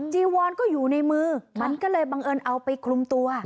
จีวอนก็อยู่ในมือมันก็เลยบังเอิญเอาไปคลุมตัว